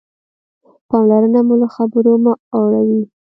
پاملرنه مو له خبرو مه اړوئ.